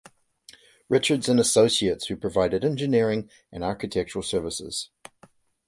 Richards and Associates who provided engineering and architectural services.